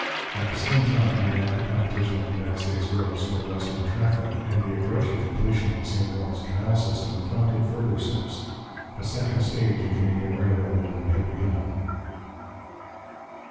At the same time, the active competition of United States roads for the western traffic and the approaching completion of the St Lawrence canal system prompted further steps. A second stage in Canadian railway building had begun.